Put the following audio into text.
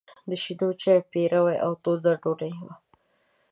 د شيدو چای، پيروی او توده ډوډۍ وه.